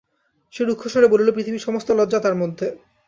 সে রুক্ষ স্বরে বলল, পৃথিবীর সমস্ত লজ্জা তার মধ্যে।